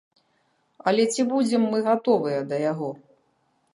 Але ці будзем мы гатовыя да яго?